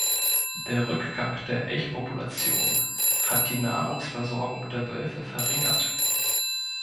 Der Rückgang der Elchpopulationen hat die Nahrungsversorgung der Wölfe verringert.